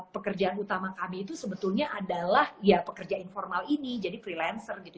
pekerjaan utama kami itu sebetulnya adalah ya pekerja informal ini jadi freelancer gitu